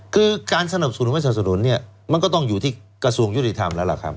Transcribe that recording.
คือการสนับสนุนไม่สนับสนุนเนี่ยมันก็ต้องอยู่ที่กระทรวงยุติธรรมแล้วล่ะครับ